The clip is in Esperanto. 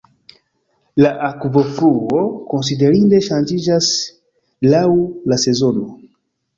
La akvofluo konsiderinde ŝanĝiĝas laŭ la sezono.